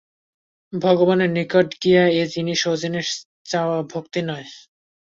ভগবানের নিকট গিয়া এ-জিনিষ ও-জিনিষ চাওয়া ভক্তি নয়।